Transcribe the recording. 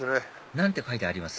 何て書いてあります？